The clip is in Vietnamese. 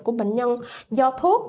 của bệnh nhân do thuốc